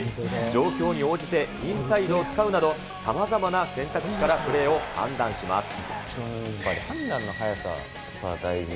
状況に応じてインサイドを使うなど、さまざまな選択肢からプレーやっぱり判断の速さは大事。